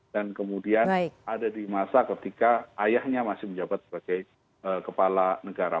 dan kemudian ada di masa ketika ayahnya masih menjabat sebagai kepala negara